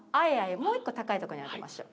もう１個高いところに置きましょう。